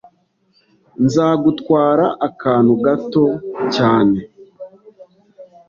Nzagutwara akantu gato cyane